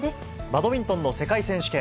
バドミントンの世界選手権。